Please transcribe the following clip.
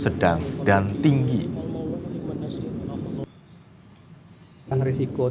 cuman berbicara tentang re funny